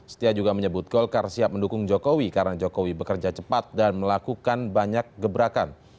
setia juga menyebut golkar siap mendukung jokowi karena jokowi bekerja cepat dan melakukan banyak gebrakan